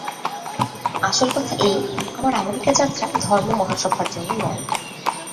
আসল কথা এই-আমার আমেরিকা-যাত্রা ধর্ম-মহাসভার জন্য নয়।